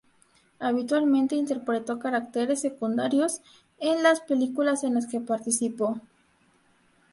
Habitualmente interpretó caracteres secundarios en las películas en las que participó.